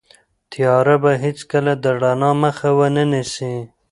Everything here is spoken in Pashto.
تیاره به هیڅکله د رڼا مخه ونه نیسي.